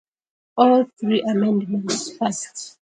All three amendments passed.